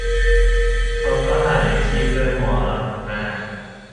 เขาก็หาเลี้ยงชีพด้วยหมอลำมานาน